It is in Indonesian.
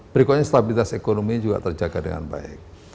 berikutnya stabilitas ekonomi juga terjaga dengan baik